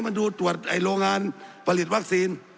มาดูตรวจโรงงานผลิตวัคซีน